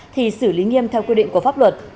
thì xử lý nghiêm theo quy định của pháp luật